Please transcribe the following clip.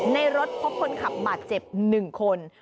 ในรถพบคนขับบาดเจ็บ๑คน